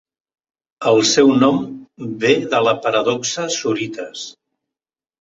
El seu nom ve de la paradoxa sorites.